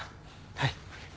はい。